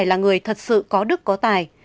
phải là người thật sự có đức có tài